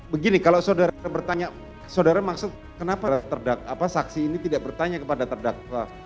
begini kalau saudara bertanya saudara maksud kenapa saksi ini tidak bertanya kepada terdakwa